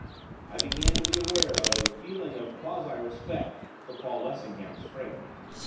I began to be aware of a feeling of quasi respect for Paul Lessingham's friend.